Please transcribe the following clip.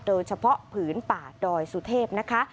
โดยเฉพาะผืนป่าดอยสุเทพฯนะคะ